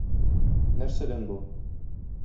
Нәрсәдән бу?